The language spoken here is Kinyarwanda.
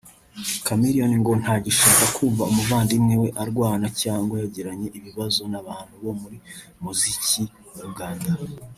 Chameleone ngo ntagishaka kumva umuvandimwe we arwana cyangwa yagiranye ibibazo n’abantu bo mu muziki wa Uganda